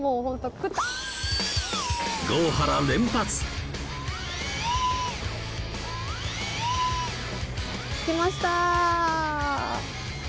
来ました